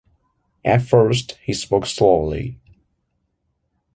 At first he spoke slowly.